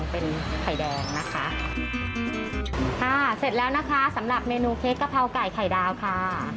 พิกรีนนะคะเซ็ตแล้วนะสำหรับเมนูเค้กกระเพาอล์ไก่ไข่ดาวค่ะ